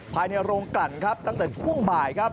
ภายในโรงกลั่นตั้งแต่ชั่วงบ่าย